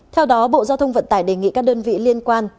theo đó bộ giao thông vận tải đề nghị các đơn vị liên quan